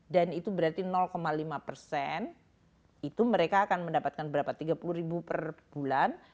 dan itu berarti lima persen itu mereka akan mendapatkan berapa tiga puluh ribu per bulan